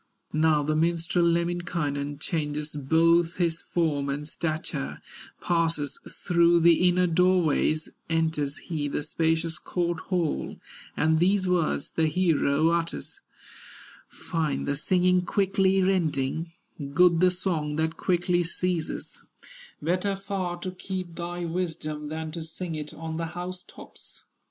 Now the minstrel, Lemminkainen, Changes both his form and stature, Passes through the inner door ways, Enters he the spacious court hall, And these words the hero utters: "Fine the singing quickly ending, Good the song that quickly ceases; Better far to keep thy wisdom Than to sing it on the house tops."